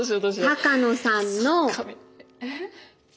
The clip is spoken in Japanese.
鷹野さんの。えっ？